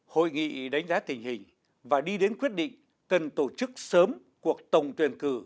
hội nghị đánh giá tình hình và đi đến quyết định cần tổ chức sớm cuộc tổng tuyển cử